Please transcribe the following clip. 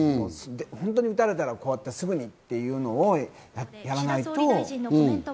本当に撃たれたら、すぐにというのをやらないと。